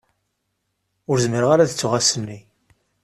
Ur zmireɣ ara ad ttuɣ ass-nni.